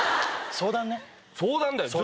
相談だよ！